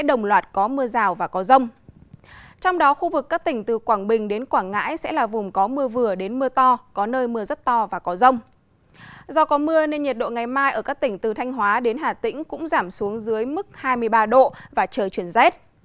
do có mưa nên nhiệt độ ngày mai ở các tỉnh từ thanh hóa đến hà tĩnh cũng giảm xuống dưới mức hai mươi ba độ và trời chuyển rét